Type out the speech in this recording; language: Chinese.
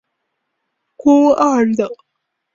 勋二等。